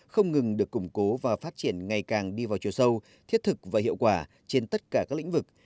không ngừng được củng cố và phát triển ngày càng đi vào chiều sâu thiết thực và hiệu quả trên tất cả các lĩnh vực